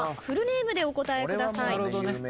フルネームでお答えください。